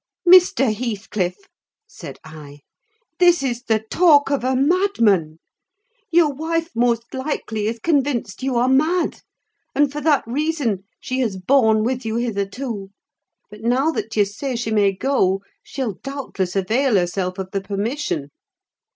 "Mr. Heathcliff," said I, "this is the talk of a madman; your wife, most likely, is convinced you are mad; and, for that reason, she has borne with you hitherto: but now that you say she may go, she'll doubtless avail herself of the permission.